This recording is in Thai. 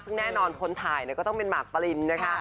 ซึ่งแน่นอนคนถ่ายก็ต้องเป็นหมากปรินนะคะ